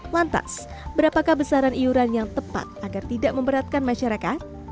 lantas berapakah besaran iuran yang tepat agar tidak memberatkan masyarakat